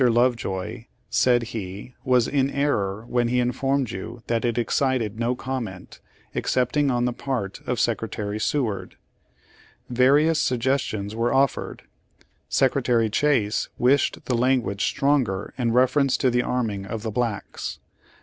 Lovejoy," said he, "was in error when he informed you that it excited no comment, excepting on the part of Secretary Seward. Various suggestions were offered. Secretary Chase wished the language stronger in reference to the arming of the blacks.